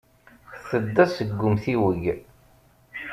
Tedda seg umtiweg.